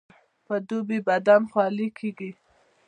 په دوبي بدن خولې کیږي